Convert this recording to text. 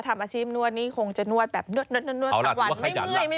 ทำอาชีพนวดนี่คงจะนวดแบบนวดถ้าวัน